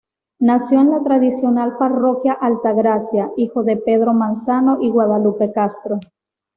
Nació en la tradicional parroquia Altagracia, hijo de Pedro Manzano y Guadalupe Castro.